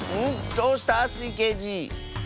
どうした⁉スイけいじ。